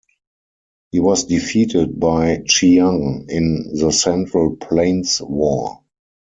He was defeated by Chiang in the Central Plains War.